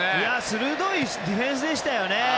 鋭いディフェンスでしたよね。